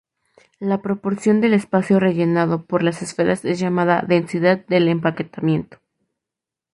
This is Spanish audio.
La proporción del espacio rellenado por las esferas es llamada densidad del empaquetamiento.